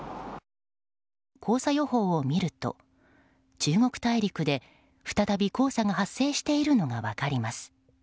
黄砂予報を見ると中国大陸で再び黄砂が発生しているのが分かります。